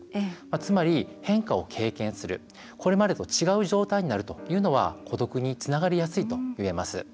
つまり、変化を経験するこれまでと違う状況になるのは孤独につながりやすいといえます。